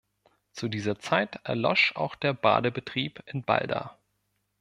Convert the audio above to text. Zu dieser Zeit erlosch auch der Badebetrieb in Balda.